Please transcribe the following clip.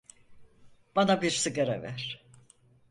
Bana bir sigara ver.